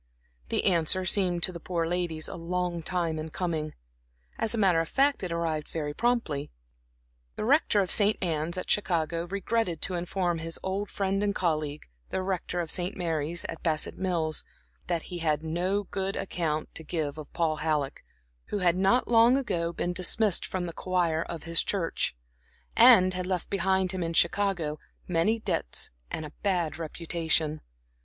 The answer seemed to the poor ladies a long time in coming; as a matter of fact, it arrived very promptly. The Rector of St. Anne's at Chicago regretted to inform his old friend and colleague the Rector of St. Mary's, at Bassett Mills, that he had no good account to give of Paul Halleck, who had not long ago been dismissed from the choir of his church, and had left behind him in Chicago many debts and a bad reputation.